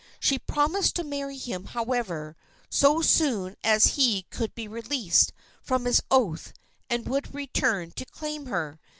She promised to marry him, however, so soon as he could be released from his oath and would return to claim her.